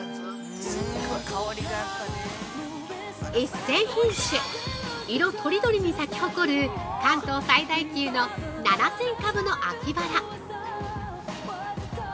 １０００品種、色とりどりに咲き誇る関東最大級の７０００株の秋バラ！